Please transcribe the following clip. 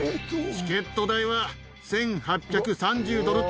チケット代は１８３０ドルっ